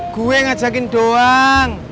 gue ngajakin doang